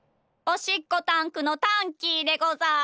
おしっこタンクのタンキーでござる。